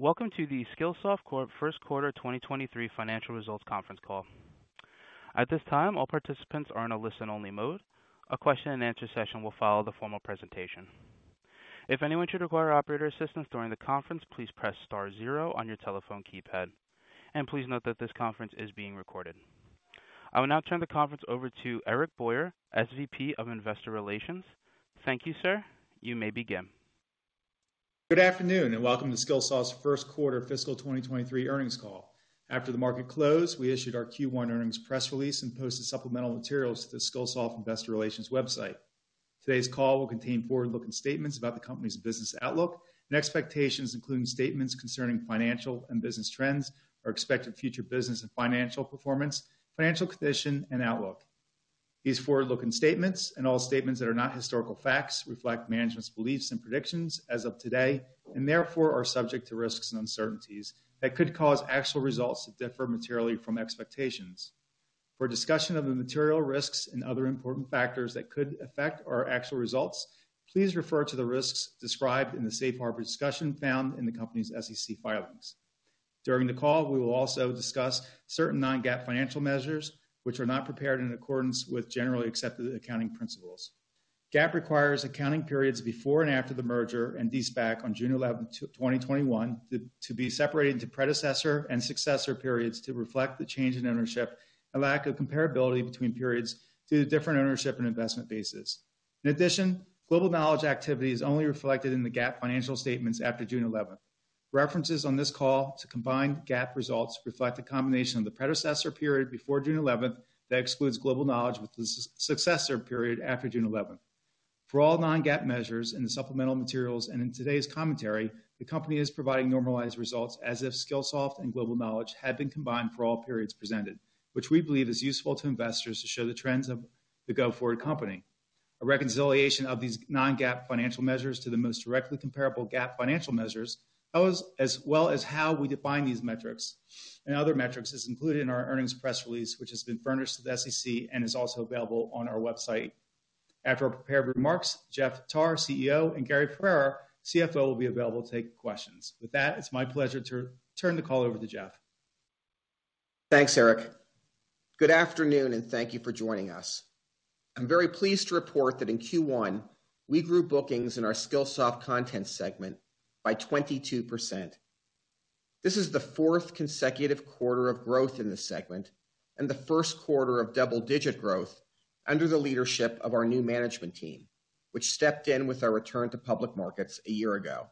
Welcome to the Skillsoft Corp. first quarter 2023 financial results conference call. At this time, all participants are in a listen-only mode. A question-and-answer session will follow the formal presentation. If anyone should require operator assistance during the conference, please press star zero on your telephone keypad. Please note that this conference is being recorded. I will now turn the conference over to Eric Boyer, SVP of Investor Relations. Thank you, sir. You may begin. Good afternoon, and welcome to Skillsoft's first quarter fiscal 2023 earnings call. After the market closed, we issued our Q1 earnings press release and posted supplemental materials to the Skillsoft Investor Relations website. Today's call will contain forward-looking statements about the company's business outlook and expectations, including statements concerning financial and business trends, our expected future business and financial performance, financial condition and outlook. These forward-looking statements and all statements that are not historical facts reflect management's beliefs and predictions as of today and therefore are subject to risks and uncertainties that could cause actual results to differ materially from expectations. For a discussion of the material risks and other important factors that could affect our actual results, please refer to the risks described in the safe harbor discussion found in the company's SEC filings. During the call, we will also discuss certain non-GAAP financial measures which are not prepared in accordance with generally accepted accounting principles. GAAP requires accounting periods before and after the merger and de-SPAC on June 11, 2021 to be separated into predecessor and successor periods to reflect the change in ownership and lack of comparability between periods due to different ownership and investment bases. In addition, Global Knowledge activity is only reflected in the GAAP financial statements after June 11. References on this call to combined GAAP results reflect the combination of the predecessor period before June 11 that excludes Global Knowledge with the successor period after June 11. For all non-GAAP measures in the supplemental materials and in today's commentary, the company is providing normalized results as if Skillsoft and Global Knowledge had been combined for all periods presented, which we believe is useful to investors to show the trends of the go-forward company. A reconciliation of these non-GAAP financial measures to the most directly comparable GAAP financial measures, those as well as how we define these metrics and other metrics, is included in our earnings press release, which has been furnished to the SEC and is also available on our website. After our prepared remarks, Jeff Tarr, CEO, and Gary Ferrera, CFO, will be available to take questions. With that, it's my pleasure to turn the call over to Jeff. Thanks, Eric. Good afternoon, and thank you for joining us. I'm very pleased to report that in Q1, we grew bookings in our Skillsoft Content segment by 22%. This is the fourth consecutive quarter of growth in this segment and the first quarter of double-digit growth under the leadership of our new management team, which stepped in with our return to public markets a year ago.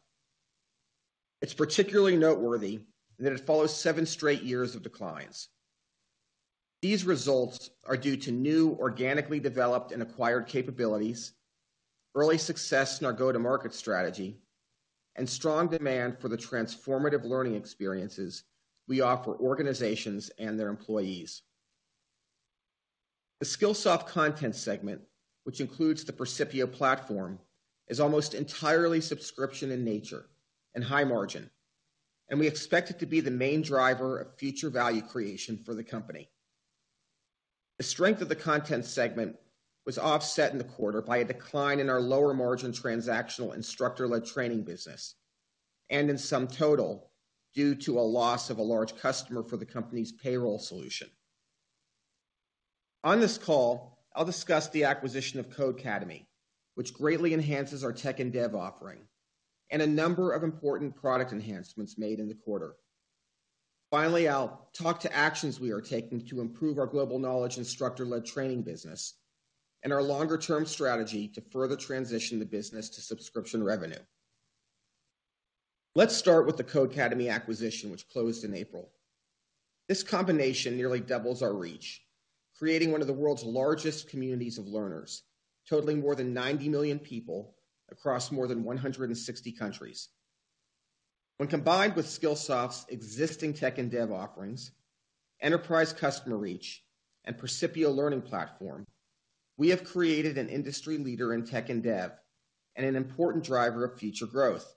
It's particularly noteworthy that it follows seven straight years of declines. These results are due to new organically developed and acquired capabilities, early success in our go-to-market strategy, and strong demand for the transformative learning experiences we offer organizations and their employees. The Skillsoft Content segment, which includes the Percipio platform, is almost entirely subscription in nature and high margin, and we expect it to be the main driver of future value creation for the company. The strength of the content segment was offset in the quarter by a decline in our lower margin transactional instructor-led training business and somewhat due to a loss of a large customer for the company's payroll solution. On this call, I'll discuss the acquisition of Codecademy, which greatly enhances our tech and dev offering and a number of important product enhancements made in the quarter. Finally, I'll talk to actions we are taking to improve our Global Knowledge instructor-led training business and our longer-term strategy to further transition the business to subscription revenue. Let's start with the Codecademy acquisition, which closed in April. This combination nearly doubles our reach, creating one of the world's largest communities of learners, totaling more than 90 million people across more than 160 countries. When combined with Skillsoft's existing tech and dev offerings, enterprise customer reach, and Percipio learning platform, we have created an industry leader in tech and dev and an important driver of future growth.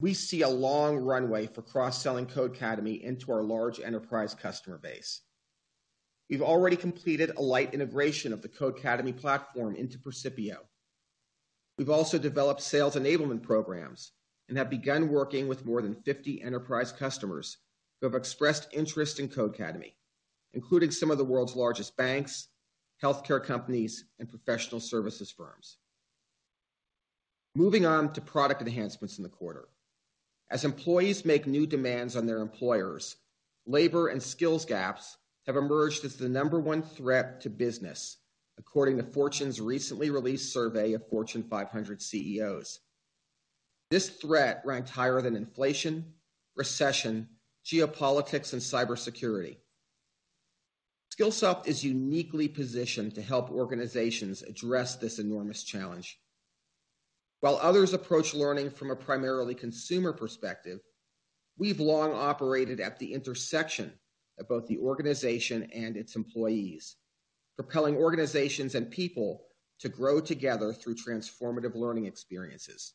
We see a long runway for cross-selling Codecademy into our large enterprise customer base. We've already completed a light integration of the Codecademy platform into Percipio. We've also developed sales enablement programs and have begun working with more than 50 enterprise customers who have expressed interest in Codecademy, including some of the world's largest banks, healthcare companies, and professional services firms. Moving on to product enhancements in the quarter. As employees make new demands on their employers, labor and skills gaps have emerged as the number one threat to business, according to Fortune's recently released survey of Fortune 500 CEOs. This threat ranked higher than inflation, recession, geopolitics, and cybersecurity. Skillsoft is uniquely positioned to help organizations address this enormous challenge. While others approach learning from a primarily consumer perspective, we've long operated at the intersection of both the organization and its employees, propelling organizations and people to grow together through transformative learning experiences.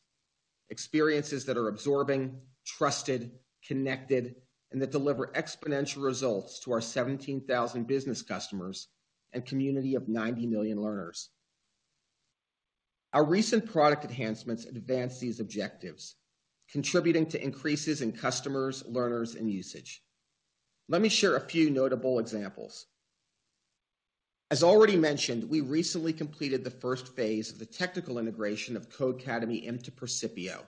Experiences that are absorbing, trusted, connected, and that deliver exponential results to our 17,000 business customers and community of 90 million learners. Our recent product enhancements advance these objectives, contributing to increases in customers, learners, and usage. Let me share a few notable examples. As already mentioned, we recently completed the first phase of the technical integration of Codecademy into Percipio,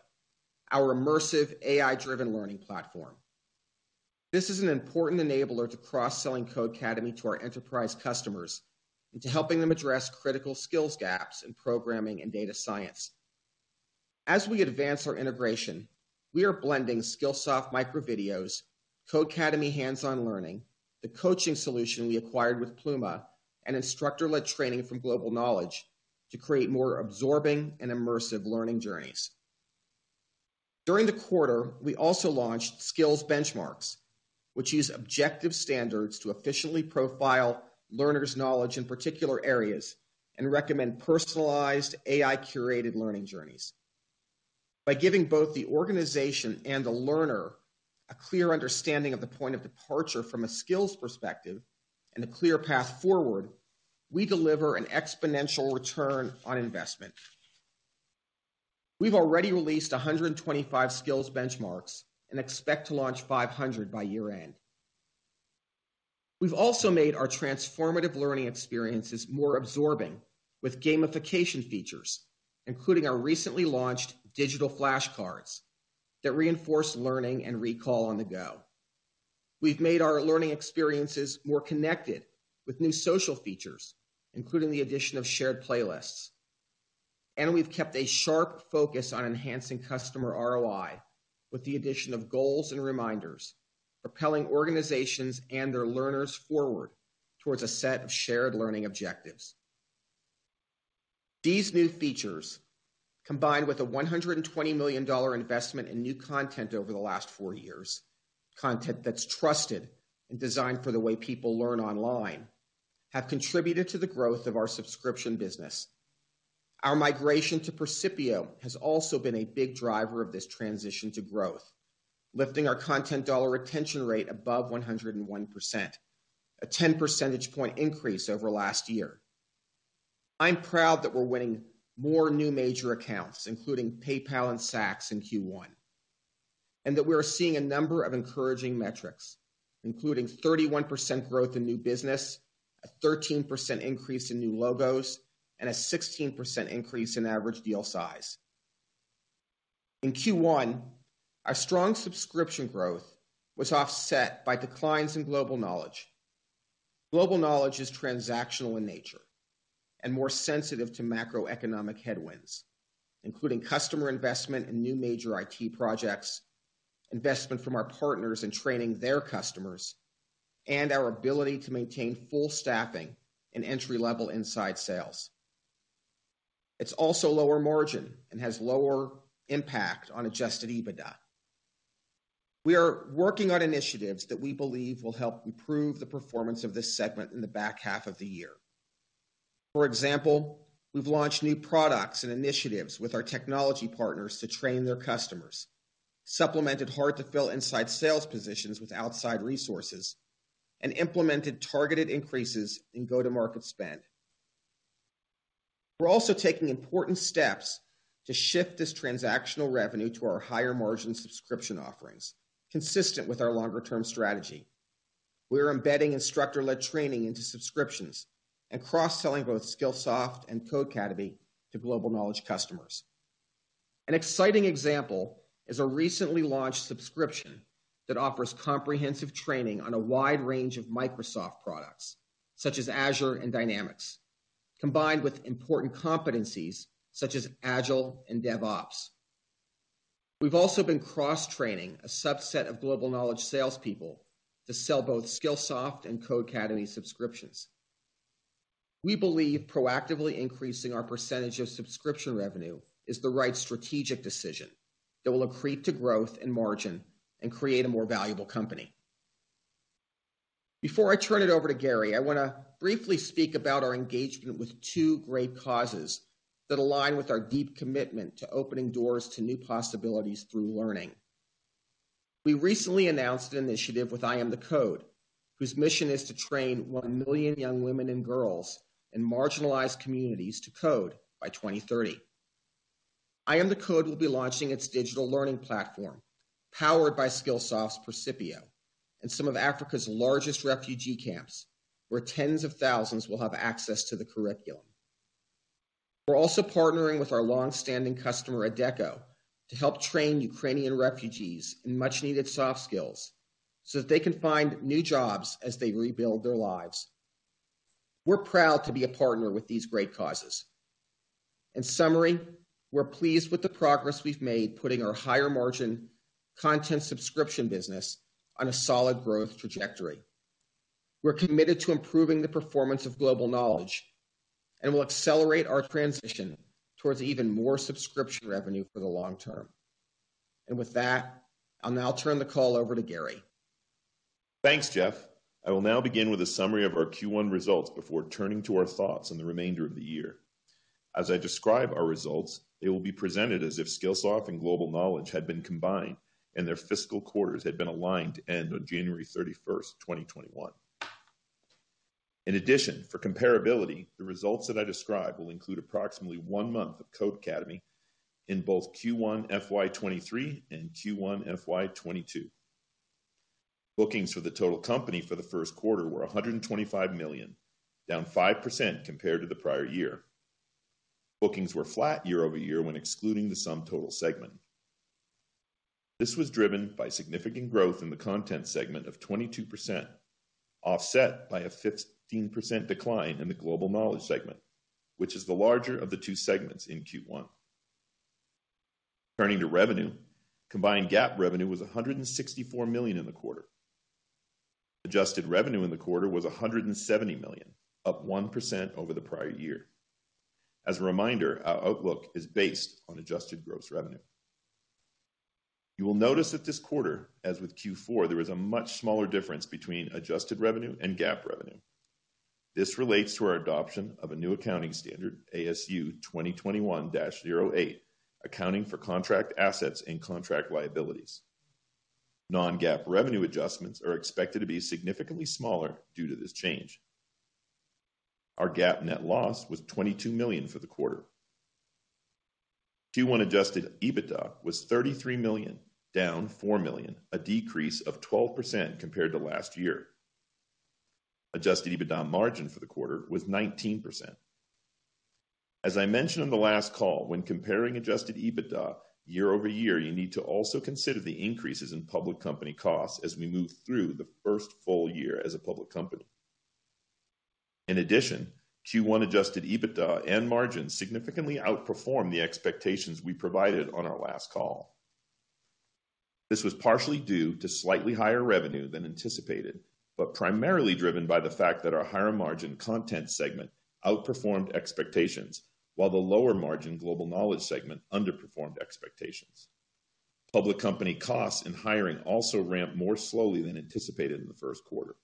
our immersive AI-driven learning platform. This is an important enabler to cross-selling Codecademy to our enterprise customers and to helping them address critical skills gaps in programming and data science. As we advance our integration, we are blending Skillsoft micro videos, Codecademy hands-on learning, the coaching solution we acquired with Pluma, and instructor-led training from Global Knowledge to create more absorbing and immersive learning journeys. During the quarter, we also launched skills benchmarks, which use objective standards to efficiently profile learners' knowledge in particular areas and recommend personalized AI-curated learning journeys. By giving both the organization and the learner a clear understanding of the point of departure from a skills perspective and a clear path forward, we deliver an exponential return on investment. We've already released 125 skills benchmarks and expect to launch 500 by year-end. We've also made our transformative learning experiences more absorbing with gamification features, including our recently launched digital flashcards that reinforce learning and recall on the go. We've made our learning experiences more connected with new social features, including the addition of shared playlists. We've kept a sharp focus on enhancing customer ROI with the addition of goals and reminders, propelling organizations and their learners forward towards a set of shared learning objectives. These new features, combined with a $120 million investment in new content over the last four years, content that's trusted and designed for the way people learn online, have contributed to the growth of our subscription business. Our migration to Percipio has also been a big driver of this transition to growth, lifting our content dollar retention rate above 101%, a 10 percentage point increase over last year. I'm proud that we're winning more new major accounts, including PayPal and Saks in Q1, and that we're seeing a number of encouraging metrics, including 31% growth in new business, a 13% increase in new logos, and a 16% increase in average deal size. In Q1, our strong subscription growth was offset by declines in Global Knowledge. Global Knowledge is transactional in nature and more sensitive to macroeconomic headwinds, including customer investment in new major IT projects, investment from our partners in training their customers, and our ability to maintain full staffing in entry-level inside sales. It's also lower margin and has lower impact on adjusted EBITDA. We are working on initiatives that we believe will help improve the performance of this segment in the back half of the year. For example, we've launched new products and initiatives with our technology partners to train their customers, supplemented hard-to-fill inside sales positions with outside resources, and implemented targeted increases in go-to-market spend. We're also taking important steps to shift this transactional revenue to our higher-margin subscription offerings, consistent with our longer-term strategy. We're embedding instructor-led training into subscriptions and cross-selling both Skillsoft and Codecademy to Global Knowledge customers. An exciting example is a recently launched subscription that offers comprehensive training on a wide range of Microsoft products, such as Azure and Dynamics, combined with important competencies such as Agile and DevOps. We've also been cross-training a subset of Global Knowledge salespeople to sell both Skillsoft and Codecademy subscriptions. We believe proactively increasing our percentage of subscription revenue is the right strategic decision that will accrete to growth and margin and create a more valuable company. Before I turn it over to Gary, I want to briefly speak about our engagement with two great causes that align with our deep commitment to opening doors to new possibilities through learning. We recently announced an initiative with iamtheCODE, whose mission is to train 1 million young women and girls in marginalized communities to code by 2030. iamtheCODE will be launching its digital learning platform powered by Skillsoft's Percipio in some of Africa's largest refugee camps, where tens of thousands will have access to the curriculum. We're also partnering with our long-standing customer, Adecco, to help train Ukrainian refugees in much-needed soft skills so that they can find new jobs as they rebuild their lives. We're proud to be a partner with these great causes. In summary, we're pleased with the progress we've made putting our higher-margin content subscription business on a solid growth trajectory. We're committed to improving the performance of Global Knowledge and will accelerate our transition towards even more subscription revenue for the long term. With that, I'll now turn the call over to Gary. Thanks, Jeff. I will now begin with a summary of our Q1 results before turning to our thoughts on the remainder of the year. As I describe our results, they will be presented as if Skillsoft and Global Knowledge had been combined and their fiscal quarters had been aligned to end on January 31, 2021. In addition, for comparability, the results that I describe will include approximately one month of Codecademy in both Q1 FY 2023 and Q1 FY 2022. Bookings for the total company for the first quarter were $125 million, down 5% compared to the prior year. Bookings were flat year-over-year when excluding the SumTotal segment. This was driven by significant growth in the content segment of 22%, offset by a 15% decline in the Global Knowledge segment, which is the larger of the two segments in Q1. Turning to revenue, combined GAAP revenue was $164 million in the quarter. Adjusted revenue in the quarter was $170 million, up 1% over the prior year. As a reminder, our outlook is based on adjusted gross revenue. You will notice that this quarter, as with Q4, there is a much smaller difference between adjusted revenue and GAAP revenue. This relates to our adoption of a new accounting standard, ASU 2021-08, Accounting for Contract Assets and Contract Liabilities. Non-GAAP revenue adjustments are expected to be significantly smaller due to this change. Our GAAP net loss was $22 million for the quarter. Q1 adjusted EBITDA was $33 million, down $4 million, a decrease of 12% compared to last year. Adjusted EBITDA margin for the quarter was 19%. As I mentioned on the last call, when comparing adjusted EBITDA year-over-year, you need to also consider the increases in public company costs as we move through the first full year as a public company. In addition, Q1 adjusted EBITDA and margins significantly outperformed the expectations we provided on our last call. This was partially due to slightly higher revenue than anticipated, but primarily driven by the fact that our higher-margin content segment outperformed expectations while the lower-margin Global Knowledge segment underperformed expectations. Public company costs and hiring also ramped more slowly than anticipated in the first quarter.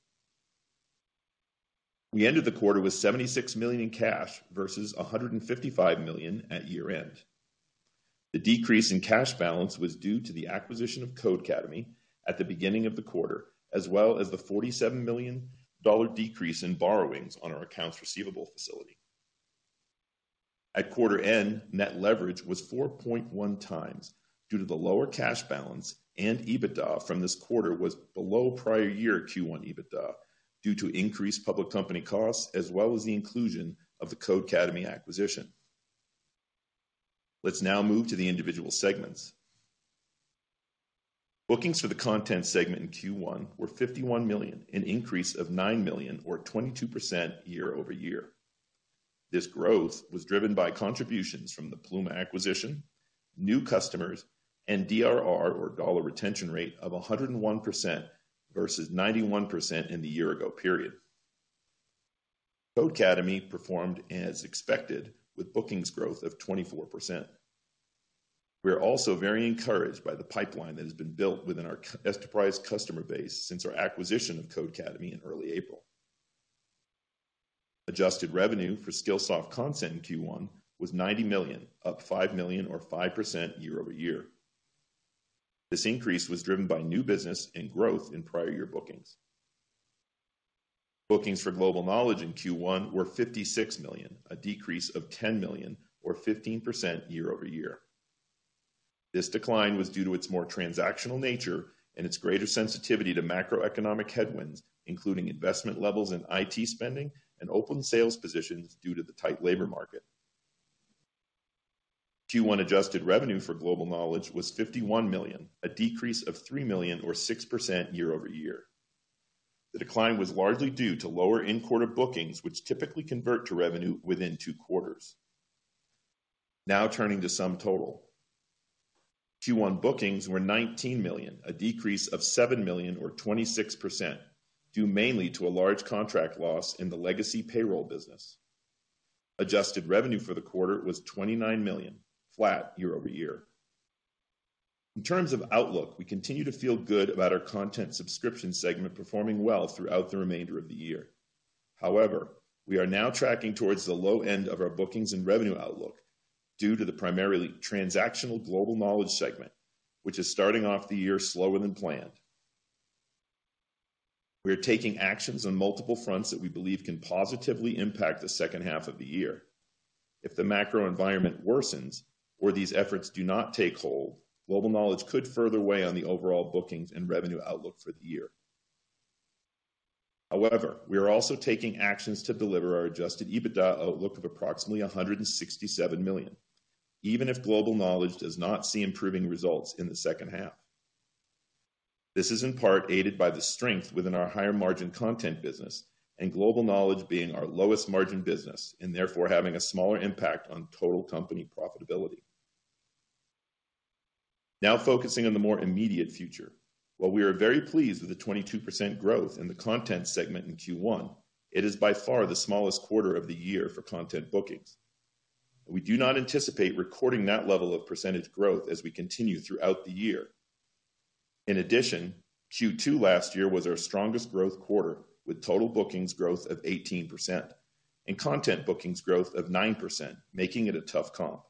We ended the quarter with $76 million in cash versus $155 million at year-end. The decrease in cash balance was due to the acquisition of Codecademy at the beginning of the quarter, as well as the $47 million decrease in borrowings on our accounts receivable facility. At quarter end, net leverage was 4.1x due to the lower cash balance, and EBITDA from this quarter was below prior year Q1 EBITDA due to increased public company costs as well as the inclusion of the Codecademy acquisition. Let's now move to the individual segments. Bookings for the content segment in Q1 were $51 million, an increase of $9 million or 22% year-over-year. This growth was driven by contributions from the Pluma acquisition, new customers, and DRR or dollar retention rate of 101% versus 91% in the year ago period. Codecademy performed as expected with bookings growth of 24%. We are also very encouraged by the pipeline that has been built within our enterprise customer base since our acquisition of Codecademy in early April. Adjusted revenue for Skillsoft content in Q1 was $90 million, up $5 million or 5% year-over-year. This increase was driven by new business and growth in prior year bookings. Bookings for Global Knowledge in Q1 were $56 million, a decrease of $10 million or 15% year-over-year. This decline was due to its more transactional nature and its greater sensitivity to macroeconomic headwinds, including investment levels in IT spending and open sales positions due to the tight labor market. Q1 adjusted revenue for Global Knowledge was $51 million, a decrease of $3 million or 6% year-over-year. The decline was largely due to lower in-quarter bookings, which typically convert to revenue within two quarters. Now turning to SumTotal. Q1 bookings were $19 million, a decrease of $7 million or 26%, due mainly to a large contract loss in the legacy payroll business. Adjusted revenue for the quarter was $29 million, flat year-over-year. In terms of outlook, we continue to feel good about our content subscription segment performing well throughout the remainder of the year. However, we are now tracking towards the low end of our bookings and revenue outlook due to the primarily transactional Global Knowledge segment, which is starting off the year slower than planned. We are taking actions on multiple fronts that we believe can positively impact the second half of the year. If the macro environment worsens or these efforts do not take hold, Global Knowledge could further weigh on the overall bookings and revenue outlook for the year. However, we are also taking actions to deliver our adjusted EBITDA outlook of approximately $167 million, even if Global Knowledge does not see improving results in the second half. This is in part aided by the strength within our higher-margin content business and Global Knowledge being our lowest margin business and therefore having a smaller impact on total company profitability. Now focusing on the more immediate future. While we are very pleased with the 22% growth in the content segment in Q1, it is by far the smallest quarter of the year for content bookings. We do not anticipate recording that level of percentage growth as we continue throughout the year. In addition, Q2 last year was our strongest growth quarter, with total bookings growth of 18% and content bookings growth of 9%, making it a tough comp.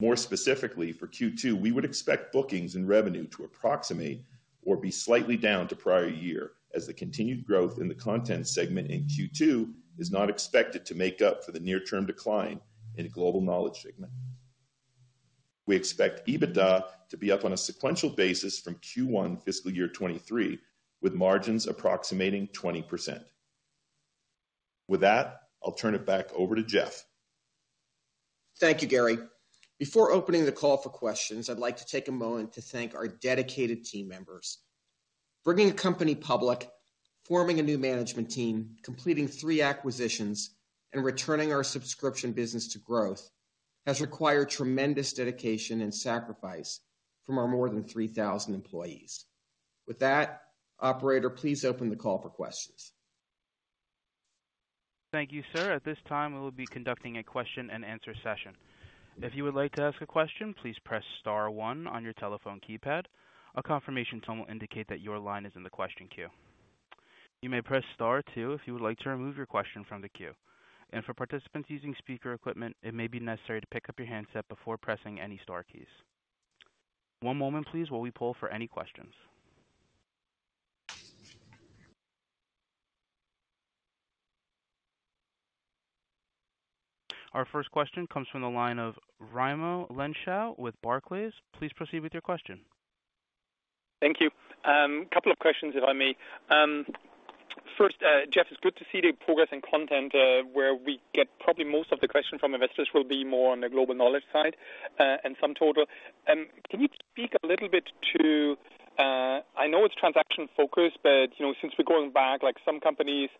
More specifically for Q2, we would expect bookings and revenue to approximate or be slightly down to prior year as the continued growth in the content segment in Q2 is not expected to make up for the near-term decline in Global Knowledge segment. We expect EBITDA to be up on a sequential basis from Q1 fiscal year 2023, with margins approximating 20%. With that, I'll turn it back over to Jeff. Thank you, Gary. Before opening the call for questions, I'd like to take a moment to thank our dedicated team members. Bringing a company public, forming a new management team, completing three acquisitions, and returning our subscription business to growth has required tremendous dedication and sacrifice from our more than 3,000 employees. With that, operator, please open the call for questions. Thank you, sir. At this time, we will be conducting a question-and-answer session. If you would like to ask a question, please press star one on your telephone keypad. A confirmation tone will indicate that your line is in the question queue. You may press star two if you would like to remove your question from the queue. For participants using speaker equipment, it may be necessary to pick up your handset before pressing any star keys. One moment, please, while we poll for any questions. Our first question comes from the line of Raimo Lenschow with Barclays. Please proceed with your question. Thank you. Couple of questions, if I may. First, Jeff, it's good to see the progress in content, where we get probably most of the questions from investors will be more on the Global Knowledge side, and SumTotal. Can you speak a little bit to, I know it's transaction-focused, but, you know, since we're going back, like some companies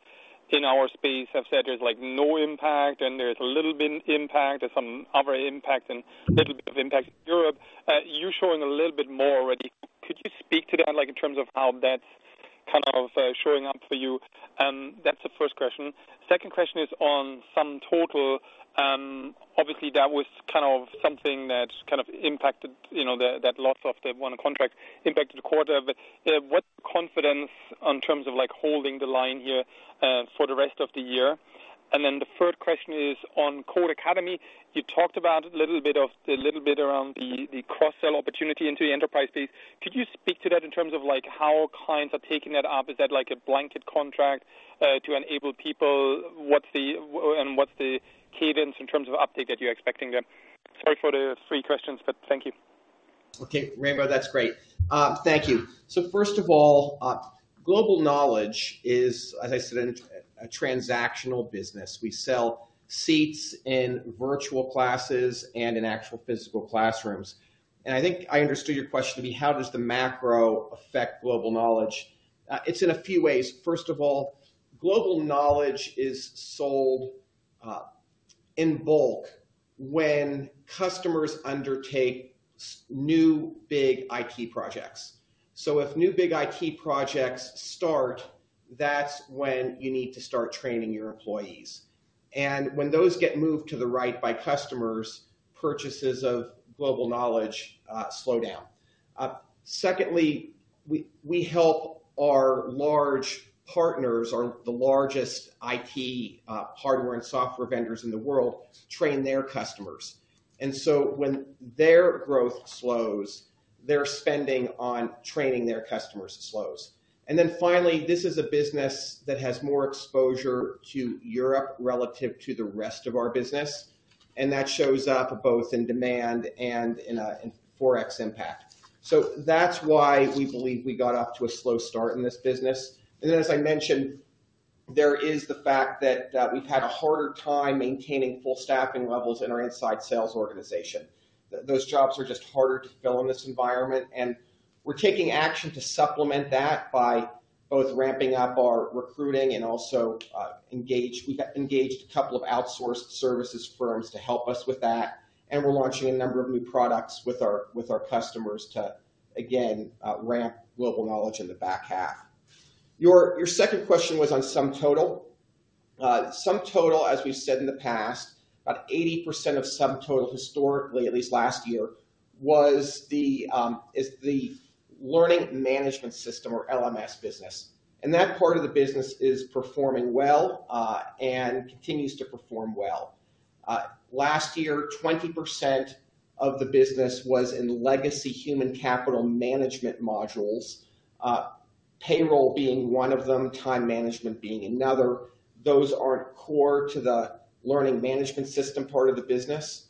in our space have said there's like no impact, and there's a little bit impact, there's some other impact and little bit of impact in Europe. You're showing a little bit more already. Could you speak to that, like in terms of how that's kind of showing up for you? That's the first question. Second question is on SumTotal. Obviously, that was kind of something that kind of impacted, you know, that loss of the one contract impacted the quarter. What's the confidence in terms of like holding the line here for the rest of the year? Then the third question is on Codecademy. You talked about a little bit around the cross-sell opportunity into the enterprise space. Could you speak to that in terms of like how clients are taking that up? Is that like a blanket contract to enable people? And what's the cadence in terms of uptake that you're expecting there? Sorry for the three questions, but thank you. Okay, Raimo, that's great. Thank you. First of all, Global Knowledge is, as I said, a transactional business. We sell seats in virtual classes and in actual physical classrooms. I think I understood your question to be how does the macro affect Global Knowledge? It's in a few ways. First of all, Global Knowledge is sold in bulk when customers undertake new big IT projects. If new big IT projects start, that's when you need to start training your employees. When those get moved to the right by customers, purchases of Global Knowledge slow down. Secondly, we help our large partners or the largest IT hardware and software vendors in the world train their customers. When their growth slows, their spending on training their customers slows. Finally, this is a business that has more exposure to Europe relative to the rest of our business, and that shows up both in demand and in Forex impact. That's why we believe we got off to a slow start in this business. As I mentioned, there is the fact that we've had a harder time maintaining full staffing levels in our inside sales organization. Those jobs are just harder to fill in this environment, and we're taking action to supplement that by both ramping up our recruiting and engaged a couple of outsourced services firms to help us with that, and we're launching a number of new products with our customers to again ramp Global Knowledge in the back half. Your second question was on SumTotal. SumTotal, as we've said in the past, about 80% of SumTotal historically, at least last year, is the Learning Management System or LMS business. That part of the business is performing well and continues to perform well. Last year, 20% of the business was in legacy human capital management modules, payroll being one of them, time management being another. Those aren't core to the Learning Management System part of the business.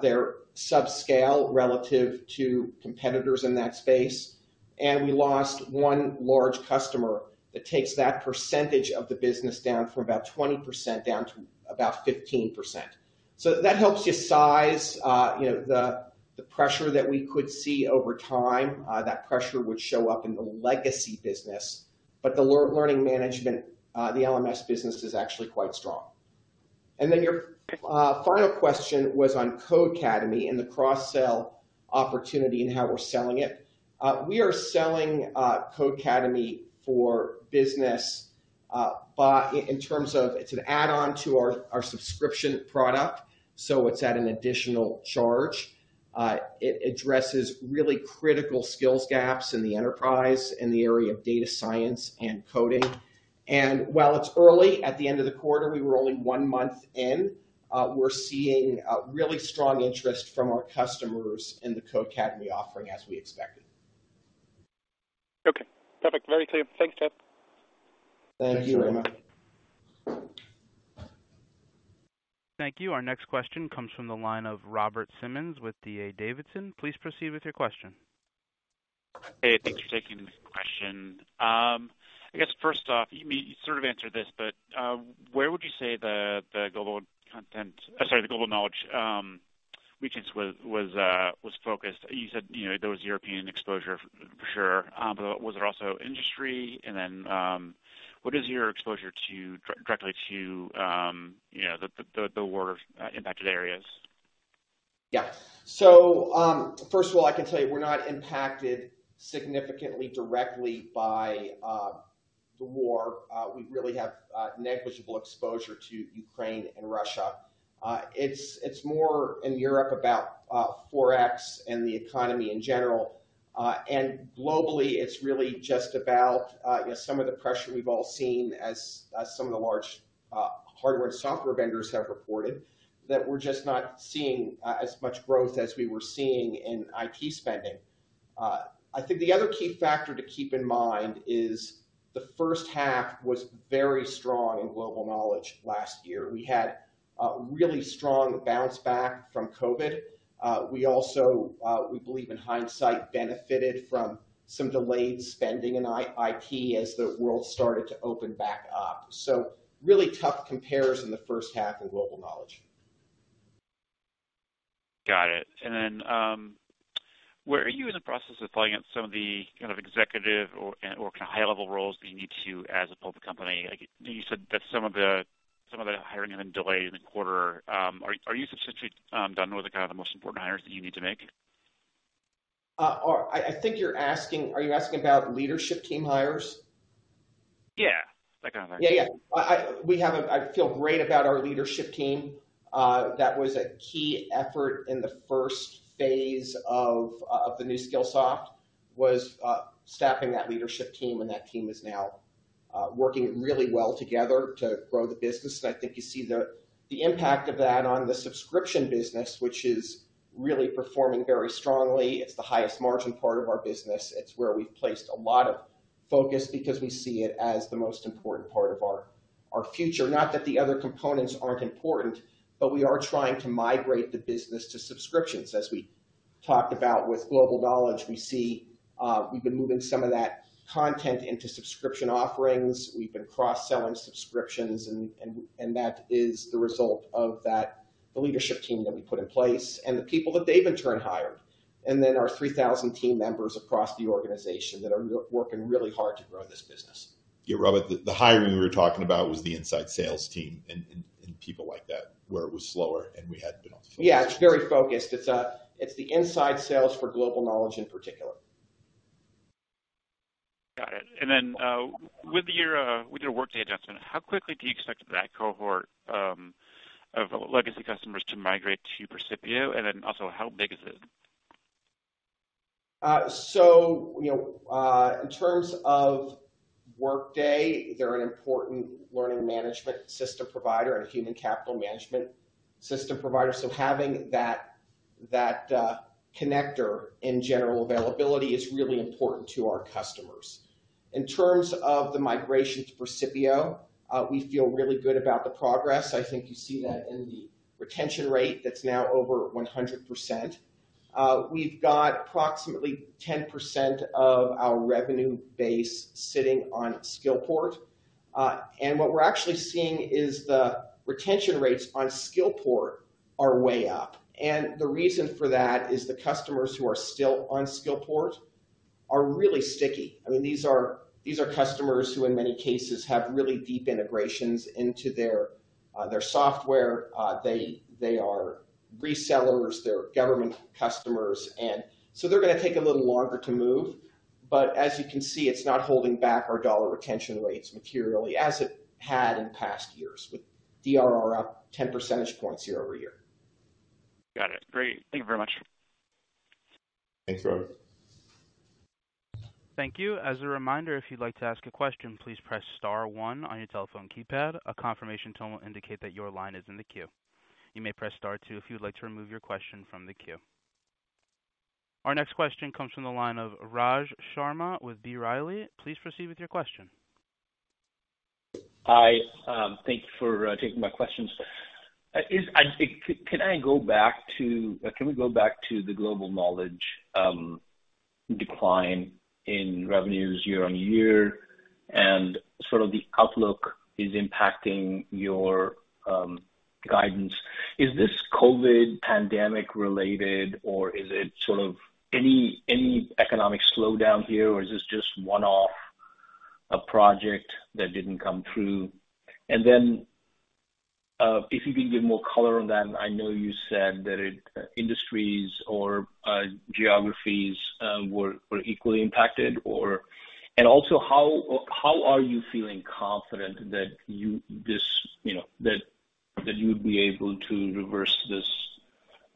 They're subscale relative to competitors in that space. We lost one large customer that takes that percentage of the business down from about 20% down to about 15%. That helps you size, you know, the pressure that we could see over time. That pressure would show up in the legacy business. The Learning Management, the LMS business is actually quite strong. Your final question was on Codecademy and the cross-sell opportunity and how we're selling it. We are selling Codecademy for business. In terms of it's an add-on to our subscription product, so it's at an additional charge. It addresses really critical skills gaps in the enterprise in the area of data science and coding. While it's early, at the end of the quarter, we were only one month in, we're seeing really strong interest from our customers in the Codecademy offering as we expected. Okay, perfect. Very clear. Thanks, Jeff. Thank you very much. Thank you. Our next question comes from the line of Robert Simmons with D.A. Davidson. Please proceed with your question. Hey, thanks for taking the question. I guess first off, you sort of answered this, but where would you say the Global Knowledge regions was focused? You said, there was European exposure for sure, but was there also industry? And then, what is your exposure directly to the war impacted areas? Yeah. First of all, I can tell you we're not impacted significantly directly by the war. We really have negligible exposure to Ukraine and Russia. It's more in Europe about Forex and the economy in general. Globally, it's really just about you know, some of the pressure we've all seen as some of the large hardware and software vendors have reported, that we're just not seeing as much growth as we were seeing in IT spending. I think the other key factor to keep in mind is the first half was very strong in Global Knowledge last year. We had a really strong bounce back from COVID. We also believe in hindsight, benefited from some delayed spending in IT as the world started to open back up. Really tough comparison the first half in Global Knowledge. Got it. Where are you in the process of filling out some of the kind of executive or kind of high-level roles that you need to as a public company? You said that some of the hiring have been delayed in the quarter. Are you substantially done with the kind of the most important hires that you need to make? I think you're asking. Are you asking about leadership team hires? Yeah, that kind of thing. Yeah, yeah. I feel great about our leadership team. That was a key effort in the first phase of the new Skillsoft, staffing that leadership team, and that team is now working really well together to grow the business. I think you see the impact of that on the subscription business, which is really performing very strongly. It's the highest margin part of our business. It's where we've placed a lot of focus because we see it as the most important part of our future. Not that the other components aren't important, but we are trying to migrate the business to subscriptions. As we talked about with Global Knowledge, we see we've been moving some of that content into subscription offerings. We've been cross-selling subscriptions and that is the result of that, the leadership team that we put in place and the people that they've in turn hired. Our 3,000 team members across the organization that are working really hard to grow this business. Yeah, Robert, the hiring we were talking about was the inside sales team and people like that, where it was slower, and we hadn't been on focus. Yeah, it's very focused. It's the inside sales for Global Knowledge in particular. Got it. With your Workday adjustment, how quickly do you expect that cohort of legacy customers to migrate to Percipio? Also, how big is it? You know, in terms of Workday, they're an important learning management system provider and a human capital management system provider. Having that connector in general availability is really important to our customers. In terms of the migration to Percipio, we feel really good about the progress. I think you see that in the retention rate that's now over 100%. We've got approximately 10% of our revenue base sitting on Skillport. What we're actually seeing is the retention rates on Skillport are way up. The reason for that is the customers who are still on Skillport are really sticky. I mean, these are customers who in many cases have really deep integrations into their software. They are resellers, they're government customers, and so they're gonna take a little longer to move. As you can see, it's not holding back our dollar retention rates materially as it had in past years with DRR up 10 percentage points year-over-year. Got it. Great. Thank you very much. Thanks, Robert. Thank you. As a reminder, if you'd like to ask a question, please press star one on your telephone keypad. A confirmation tone will indicate that your line is in the queue. You may press star two if you'd like to remove your question from the queue. Our next question comes from the line of Raj Sharma with B. Riley. Please proceed with your question. Hi. Thank you for taking my questions. Can we go back to the Global Knowledge decline in revenues year-over-year and sort of the outlook is impacting your guidance. Is this COVID pandemic related or is it sort of any economic slowdown here or is this just one-off a project that didn't come through? Then, if you can give more color on that, I know you said that it industries or geographies were equally impacted or. Also how are you feeling confident that you know, that you would be able to reverse this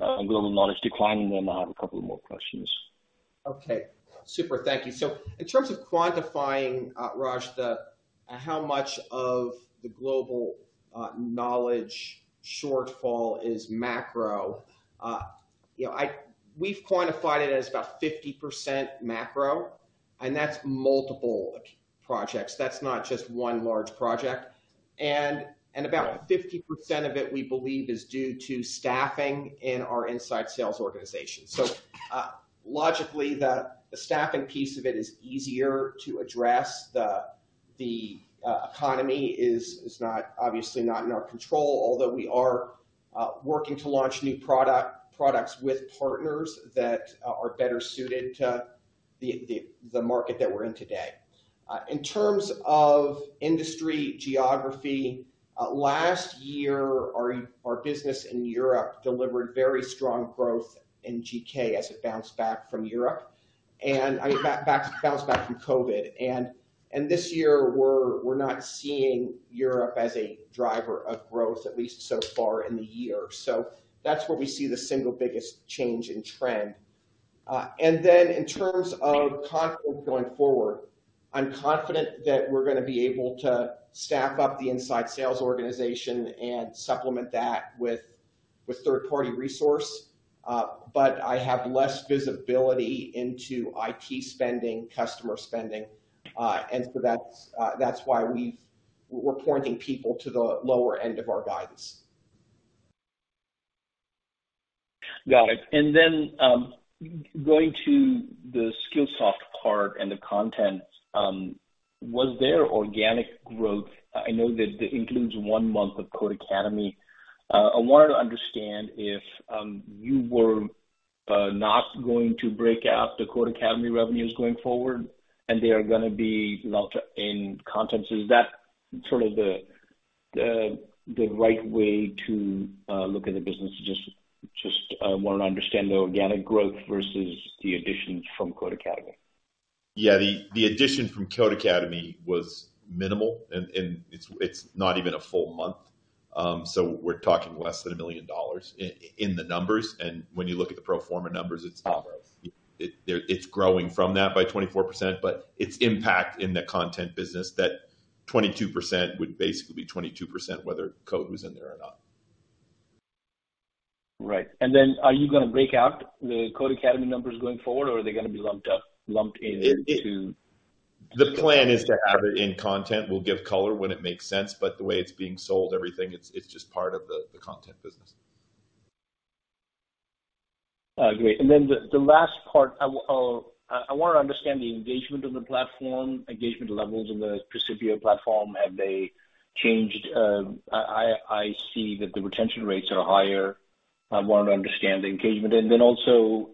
on Global Knowledge declining, then I have a couple more questions. Okay, super. Thank you. In terms of quantifying, Raj, how much of the Global Knowledge shortfall is macro, we've quantified it as about 50% macro, and that's multiple projects. That's not just one large project. About 50% of it, we believe is due to staffing in our inside sales organization. Logically, the staffing piece of it is easier to address. The economy is obviously not in our control, although we are working to launch new products with partners that are better suited to the market that we're in today. In terms of industry geography, last year our business in Europe delivered very strong growth in GK as it bounced back from COVID. This year we're not seeing Europe as a driver of growth, at least so far in the year. That's where we see the single biggest change in trend. In terms of confidence going forward, I'm confident that we're gonna be able to staff up the inside sales organization and supplement that with third-party resource. I have less visibility into IT spending, customer spending, and so that's why we're pointing people to the lower end of our guidance. Got it. Then going to the Skillsoft part and the content, was there organic growth? I know that includes one month of Codecademy. I wanted to understand if you were not going to break out the Codecademy revenues going forward, and they are gonna be lumped in content. Is that sort of the right way to look at the business? Just want to understand the organic growth versus the additions from Codecademy. Yeah. The addition from Codecademy was minimal and it's not even a full month. So we're talking less than $1 million in the numbers. When you look at the pro forma numbers, it's growing from that by 24%, but its impact in the content business, that 22% would basically be 22% whether Codecademy was in there or not. Right. Are you gonna break out the Codecademy numbers going forward or are they gonna be lumped into? The plan is to have it in content. We'll give color when it makes sense, but the way it's being sold, everything, it's just part of the content business. Great. The last part I want to understand the engagement of the platform, engagement levels of the Percipio platform. Have they changed? I see that the retention rates are higher. I want to understand the engagement. Also,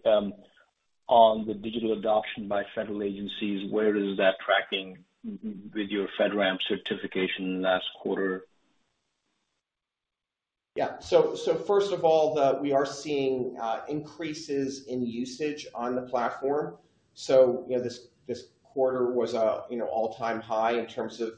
on the digital adoption by federal agencies, where is that tracking with your FedRAMP certification last quarter? First of all, we are seeing increases in usage on the platform. This quarter was an all-time high in terms of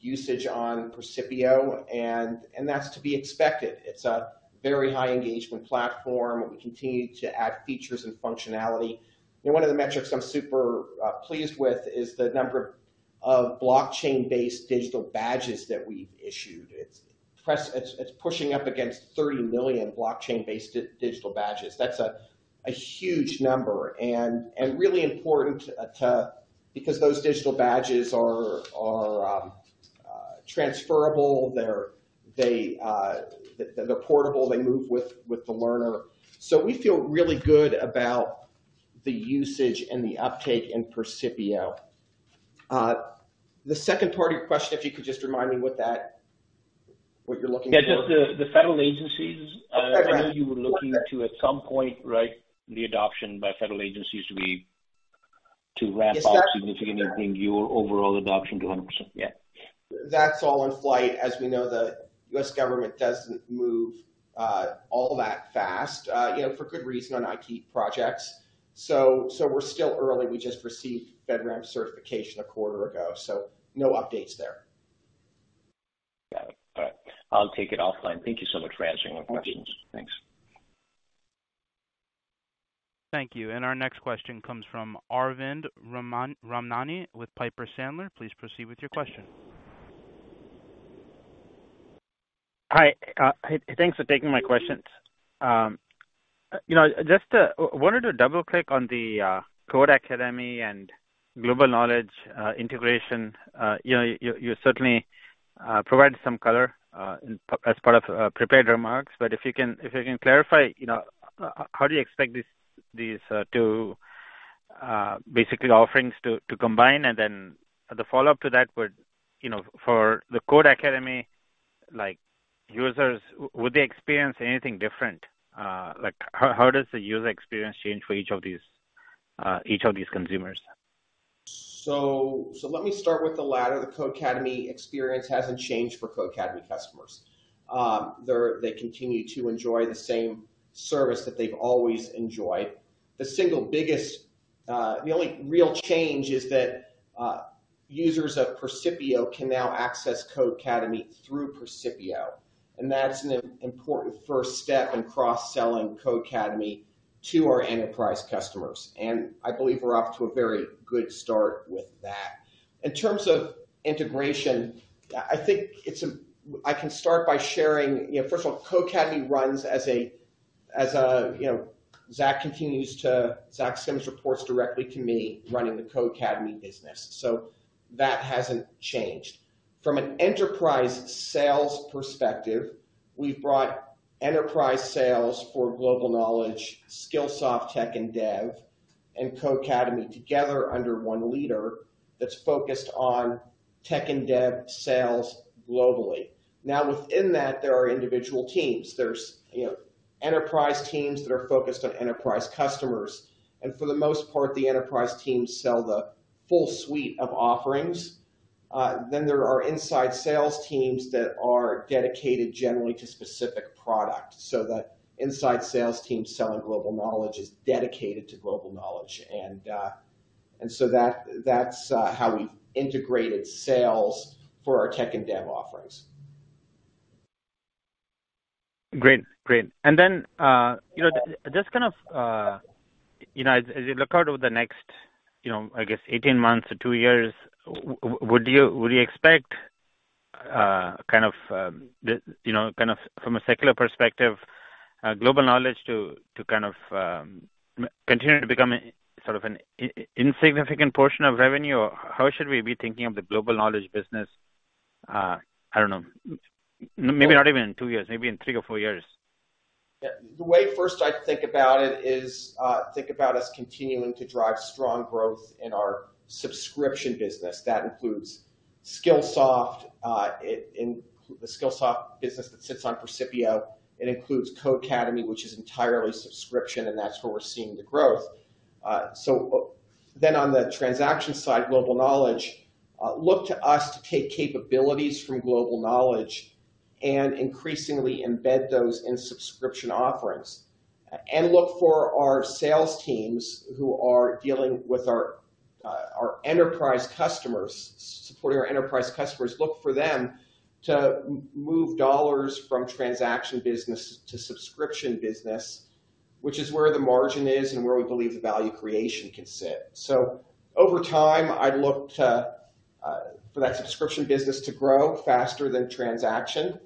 usage on Percipio, and that's to be expected. It's a very high engagement platform, and we continue to add features and functionality. One of the metrics I'm super pleased with is the number of blockchain-based digital badges that we've issued. It's pushing up against 30 million blockchain-based digital badges. That's a huge number and really important because those digital badges are transferable. They're portable. They move with the learner. We feel really good about the usage and the uptake in Percipio. The second part of your question, if you could just remind me what that... what you're looking for. Yeah, just the federal agencies. Oh, FedRAMP. I know you were looking to at some point, right, the adoption by federal agencies to ramp up. Yes. significantly and bring your overall adoption to 100%. Yeah. That's all in flight. As we know, the U.S. government doesn't move all that fast, you know, for good reason on IT projects. We're still early. We just received FedRAMP certification a quarter ago, so no updates there. Got it. All right. I'll take it offline. Thank you so much for answering my questions. Okay. Thanks. Thank you. Our next question comes from Arvind Ramnani with Piper Sandler. Please proceed with your question. Hi. Thanks for taking my questions. You know, just wanted to double-click on the Codecademy and Global Knowledge integration. You know, you certainly provided some color as part of prepared remarks, but if you can clarify, you know, how do you expect these two basically offerings to combine? And then the follow-up to that would, you know, for the Codecademy, like, users, would they experience anything different? Like, how does the user experience change for each of these consumers? Let me start with the latter. The Codecademy experience hasn't changed for Codecademy customers. They continue to enjoy the same service that they've always enjoyed. The only real change is that users of Percipio can now access Codecademy through Percipio, and that's an important first step in cross-selling Codecademy to our enterprise customers. I believe we're off to a very good start with that. In terms of integration, I think I can start by sharing, you know, first of all, Codecademy runs as a, you know, Zach Sims reports directly to me running the Codecademy business. That hasn't changed. From an enterprise sales perspective, we've brought enterprise sales for Global Knowledge, Skillsoft, Tech and Dev, and Codecademy together under one leader that's focused on Tech and Dev sales globally. Now, within that, there are individual teams. There's you know, enterprise teams that are focused on enterprise customers. For the most part, the enterprise teams sell the full suite of offerings. There are inside sales teams that are dedicated generally to specific products. The inside sales team selling Global Knowledge is dedicated to Global Knowledge. That's how we've integrated sales for our Tech and Dev offerings. Great. Then, you know, just kind of, you know, as you look out over the next, you know, I guess 18 months or 2 years, would you expect, kind of, you know, kind of from a secular perspective, Global Knowledge to kind of continue to become a sort of an insignificant portion of revenue? How should we be thinking of the Global Knowledge business, I don't know, maybe not even in 2 years, maybe in 3 or 4 years? The way I first think about it is, think about us continuing to drive strong growth in our subscription business. That includes Skillsoft, in the Skillsoft business that sits on Percipio. It includes Codecademy, which is entirely subscription, and that's where we're seeing the growth. On the transaction side, Global Knowledge, look to us to take capabilities from Global Knowledge and increasingly embed those in subscription offerings and look for our sales teams who are dealing with our enterprise customers, supporting our enterprise customers, look for them to move dollars from transaction business to subscription business, which is where the margin is and where we believe the value creation can sit. Over time, I'd look for that subscription business to grow faster than transaction.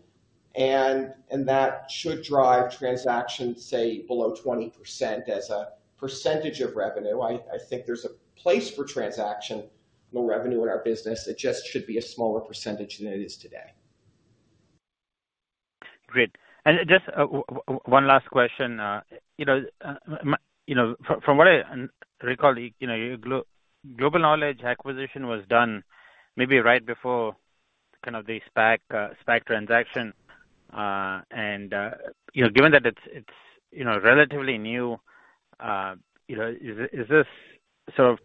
That should drive transaction, say, below 20% as a percentage of revenue. I think there's a place for transactional more revenue in our business. It just should be a smaller percentage than it is today. Great. Just one last question. You know, from what I recall, you know, Global Knowledge acquisition was done maybe right before kind of the SPAC transaction. You know, given that it's relatively new, you know,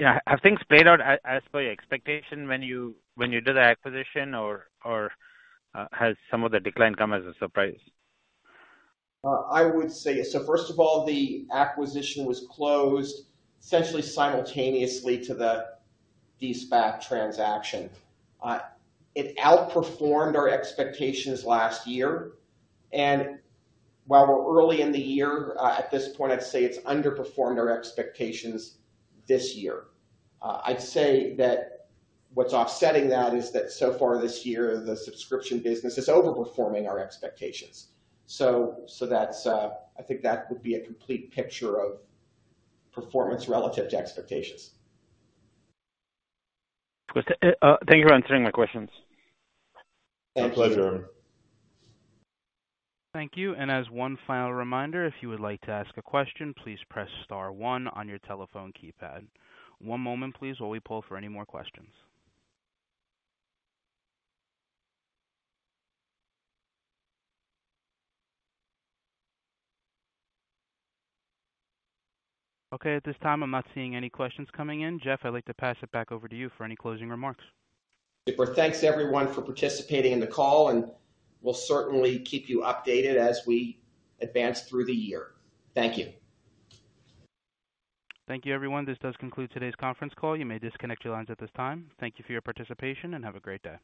have things played out as per your expectation when you did the acquisition or has some of the decline come as a surprise? First of all, the acquisition was closed essentially simultaneously to the de-SPAC transaction. It outperformed our expectations last year. While we're early in the year, at this point, I'd say it's underperformed our expectations this year. I'd say that what's offsetting that is that so far this year, the subscription business is overperforming our expectations. So that's, I think, a complete picture of performance relative to expectations. Thank you for answering my questions. My pleasure. Thank you. As one final reminder, if you would like to ask a question, please press star one on your telephone keypad. One moment, please, while we poll for any more questions. Okay, at this time, I'm not seeing any questions coming in. Jeff, I'd like to pass it back over to you for any closing remarks. Super. Thanks, everyone, for participating in the call, and we'll certainly keep you updated as we advance through the year. Thank you. Thank you, everyone. This does conclude today's conference call. You may disconnect your lines at this time. Thank you for your participation, and have a great day.